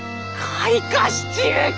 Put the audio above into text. ・開花しちゅうき！